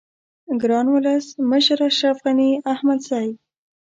گران ولس مشر اشرف غنی احمدزی